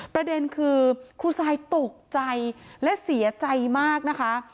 ประเด็นคือครูซายตกใจและเสียใจมากนะคะ